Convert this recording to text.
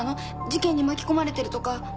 事件に巻き込まれてるとか。